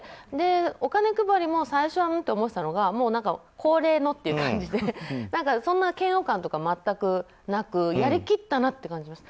お金配りも最初はん？と思っていたのが恒例のって感じで嫌悪感とか全くなくやりきったなという感じです。